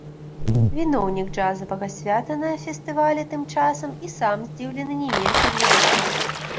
Віноўнік джазавага свята на фестывалі тым часам і сам здзіўлены не менш за гледачоў.